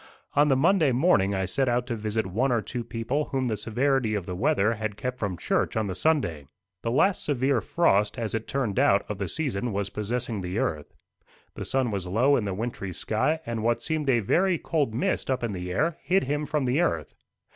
On the Monday morning I set out to visit one or two people whom the severity of the weather had kept from church on the Sunday. The last severe frost, as it turned out, of the season, was possessing the earth. The sun was low in the wintry sky, and what seemed a very cold mist up in the air hid him from the earth.